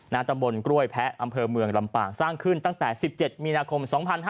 ตำบลกล้วยแพ้อำเภอเมืองลำปางสร้างขึ้นตั้งแต่๑๗มีนาคม๒๕๕๙